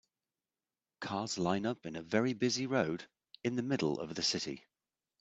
Cars line up in a very busy road in the middle of the city.